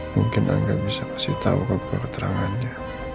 mungkin angga bisa kasih tau keku keterangannya